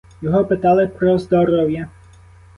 Його питали про здоров'я.